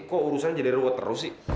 kok urusannya jadi ruwet terus sih